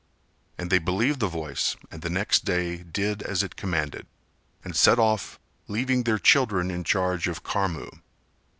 And they believed the voice and the next day did as it commanded, and set off, leaving their children in charge of Karmu.